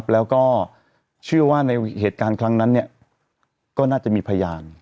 แล้วก็เชื่อว่าในเหตุการณ์ครั้งนั้นก็น่าจะมีพยาน